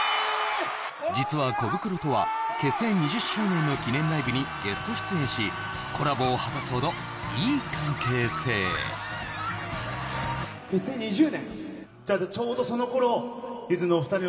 実はコブクロとは結成２０周年の記念ライブにゲスト出演しコラボを果たすほどいい関係性「夏色」！